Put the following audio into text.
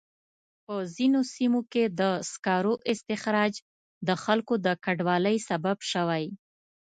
په ځینو سیمو کې د سکرو استخراج د خلکو د کډوالۍ سبب شوی.